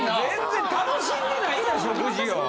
全然楽しんでないやん食事を。